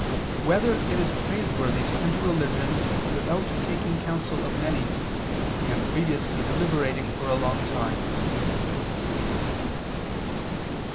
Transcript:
10] Whether It Is Praiseworthy to Enter Religion Without Taking Counsel of Many, and Previously Deliberating for a Long Time?